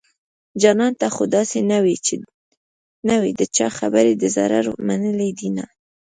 جانانه ته خو داسې نه وي د چا خبرې دې ضرور منلي دينه